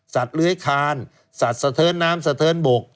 เลื้อยคานสัตว์สะเทินน้ำสะเทินบก